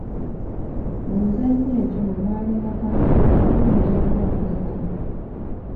Mu mizannyo egyo mwe mwalinga kantuntunu ne jangu onkwekule.